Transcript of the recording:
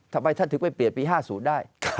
ทำไมท่านถึงไปเปลี่ยนปี๕๐ได้